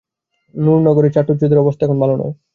নুরনগরের চাটুজ্যেদের অবস্থা এখন ভালো নয়।